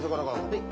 はい。